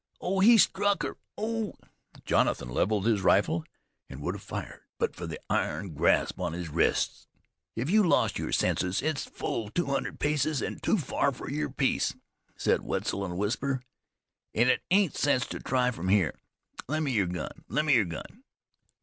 Oh! He struck her! Oh!" Jonathan leveled his rifle and would have fired, but for the iron grasp on his wrist. "Hev you lost yer senses? It's full two hundred paces, an' too far fer your piece," said Wetzel in a whisper. "An' it ain't sense to try from here." "Lend me your gun! Lend me your gun!"